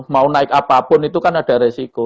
mau naik apapun itu kan ada resiko